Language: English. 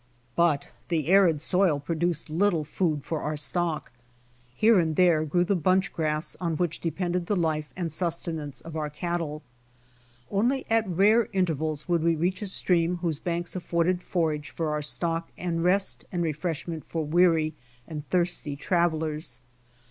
Rut the arid soil produced little food for our stock. 106 THE DESERTS 107 Here and tliore grew the bunch grass on which depended the life and sustenance of our cattle. Onlj^ at rare intervals would we reach a stream whose banks afforded forage for our stock and rest and refreshment for weary and thirsty travelers.